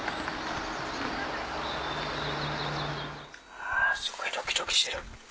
はぁすごいドキドキしてる。